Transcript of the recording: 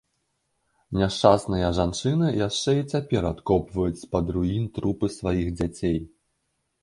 Няшчасныя жанчыны яшчэ і цяпер адкопваюць з-пад руін трупы сваіх дзяцей.